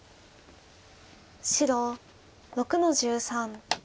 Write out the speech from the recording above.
白６の十三。